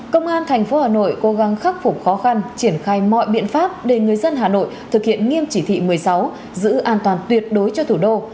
công an thành phố hà nội cố gắng khắc phục khó khăn triển khai mọi biện pháp để người dân hà nội thực hiện nghiêm chỉ thị một mươi sáu giữ an toàn tuyệt đối cho thủ đô